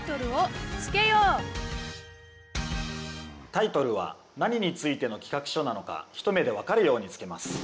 タイトルは何についての企画書なのか一目でわかるようにつけます。